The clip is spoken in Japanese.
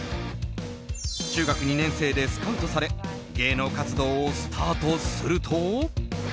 中学２年生でスカウトされ芸能活動をスタートすると。